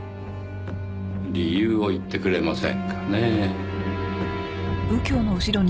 理由を言ってくれませんかねぇ。